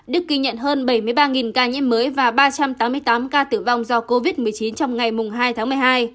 đức ghi nhận hơn bảy mươi ba ca nhiễm mới và ba trăm tám mươi tám ca tử vong do covid một mươi chín trong ngày hai tháng một mươi hai